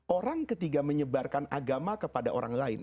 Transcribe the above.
orang ketika menyebarkan agama kepada orang lain